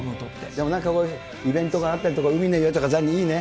でもなんか、イベントがあったりとか、海の家とか、ザニーいいね。